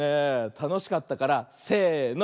たのしかったからせの。